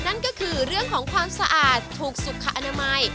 นั่นก็คือเรื่องของความสะอาดถูกสุขอนามัย